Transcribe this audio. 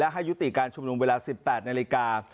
ให้ยุติการชุมนุมเวลา๑๘นาฬิกา